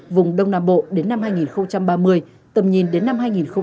vùng đông nam bộ đến năm hai nghìn ba mươi tầm nhìn đến năm hai nghìn bốn mươi năm